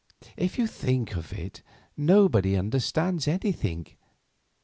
If you think of it, nobody understands anything.